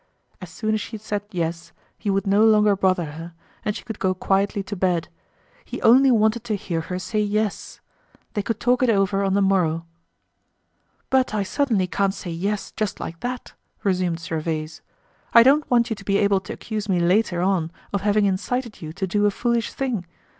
As soon as she said "yes," he would no longer bother her, and she could go quietly to bed. He only wanted to hear her say "yes." They could talk it over on the morrow. "But I certainly can't say 'yes' just like that," resumed Gervaise. "I don't want you to be able to accuse me later on of having incited you to do a foolish thing.